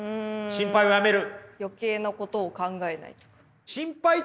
心配をやめる。